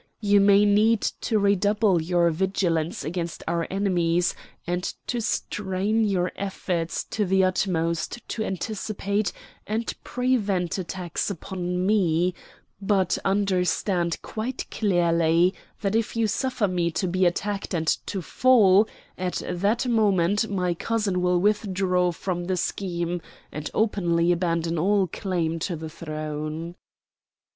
You may need to redouble your vigilance against our enemies, and to strain your efforts to the utmost to anticipate and prevent attacks upon me; but understand quite clearly that if you suffer me to be attacked and to fall, at that moment my cousin will withdraw from the scheme, and openly abandon all claim to the throne."